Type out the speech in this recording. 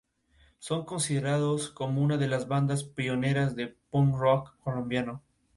Fue internacional con la Selección Argentina en dos encuentros.